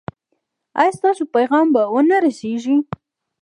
ایا ستاسو پیغام به و نه رسیږي؟